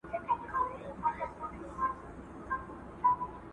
کیتوني حالت د الزایمر پر وړاندې ګټور دی.